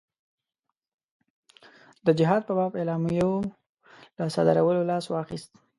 د جهاد په باب اعلامیو له صادرولو لاس واخیست.